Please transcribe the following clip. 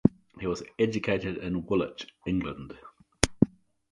He was educated in Woolwich, England.